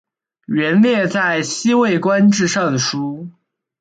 元烈在西魏官至尚书。